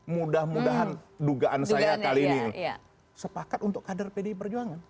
mudah mudahan dugaan saya kali ini sepakat untuk kader pdi perjuangan